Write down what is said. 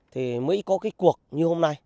thì mới có cái cuộc như hôm nay